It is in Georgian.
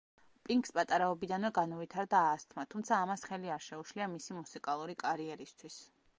პინკს პატარაობიდანვე განუვითარდა ასთმა, თუმცა ამას ხელი არ შეუშლია მისი მუსიკალური კარიერისთვის.